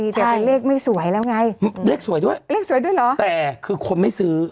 ใช่แต่เลขไม่สวยแล้วไงเลขสวยด้วยแต่คือคนไม่ซื้อ